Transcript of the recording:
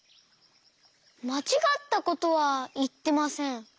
まちがったことはいってません。